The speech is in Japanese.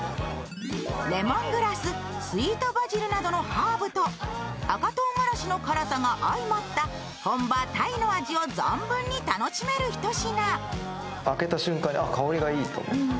レモングラス、スイートバジルなどのハーブと赤唐辛子の辛さが合いまった本場タイの味を存分に楽しめる一品。